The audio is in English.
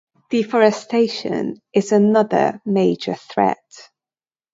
Deforestation is another major threat.